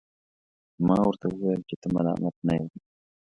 ما ورته وویل چي ته ملامت نه یې.